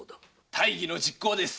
大儀の実行です！